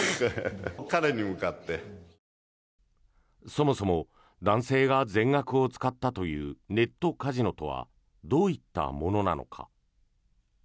そもそも男性が全額を使ったというネットカジノとはどういったものなのか。